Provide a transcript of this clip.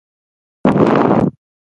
ستنېدنه بايد امن چاپيريال ولري.